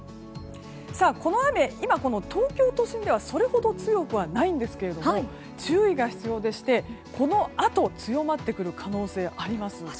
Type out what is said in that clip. この雨、東京都心ではそれほど強くはないんですが注意が必要でして、このあと強まってくる可能性あります。